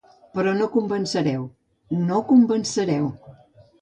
Però no convencereu; no convenceu.